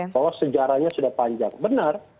bahwa sejarahnya sudah panjang benar